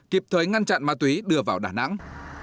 kịp thời ngăn chặn ma túy đưa vào đà nẵng